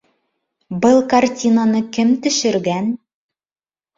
Был картинаны кем төшөргән?